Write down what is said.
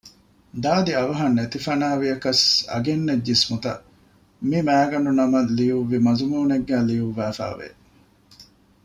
ދާދި އަވަހަށް ނެތިފަނާވިޔަކަސް އަގެއްނެތް ޖިސްމުތައް މި މައިގަނޑުނަމަށް ލިޔުއްވި މަޒުމޫނެއްގައި ލިޔުއްވާފައިވެ